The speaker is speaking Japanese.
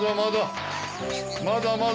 まだまだ！